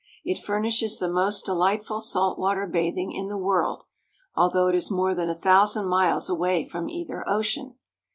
It furnishes the most delightful salt water bathing in the world, although it is more than a thousand miles away from either ocean.